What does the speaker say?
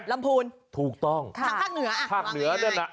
ลำพูนถูกต้องภาคเหนือภาคเหนือนั่นนะ